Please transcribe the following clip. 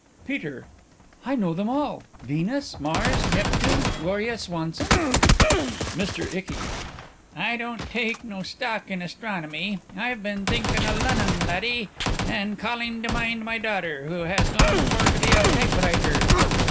PETER: I know them all: Venus, Mars, Neptune, Gloria Swanson. MR. ICKY: I don't take no stock in astronomy.... I've been thinking o' Lunnon, laddie. And calling to mind my daughter, who has gone for to be a typewriter....